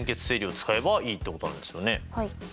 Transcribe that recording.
はい。